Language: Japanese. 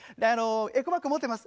「エコバッグ持ってます」。